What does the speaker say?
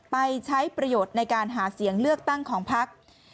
ไปใช้ประโยชน์ในการหาเสียงเลือกตั้งของพัก